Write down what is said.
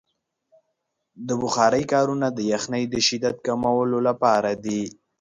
د بخارۍ کارونه د یخنۍ د شدت کمولو لپاره دی.